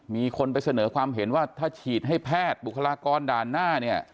มีคนไปเสนอความเห็นว่าถ้าฉีดให้แพทย์บุคลากรด่านหน้าเนี่ย